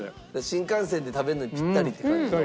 新幹線で食べるのにピッタリって感じの。